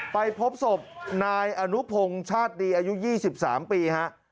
ไปพบศพนายอนุพงศ์ชาติดีอายุ๒๓ปีฮะ